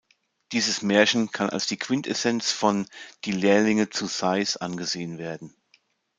Dieses Märchen kann als die Quintessenz von „Die Lehrlinge zu Sais“ angesehen werden.